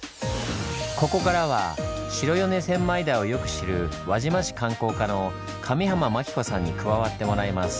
ここからは白米千枚田をよく知る輪島市観光課の上濱真紀子さんに加わってもらいます。